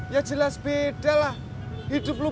ya jelas beda lah hidup lo